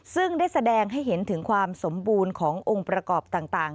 ซึ่งได้แสดงให้เห็นถึงความสมบูรณ์ขององค์ประกอบต่าง